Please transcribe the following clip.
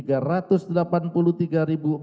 sgd tiga ratus delapan puluh tiga empat puluh dolar singapura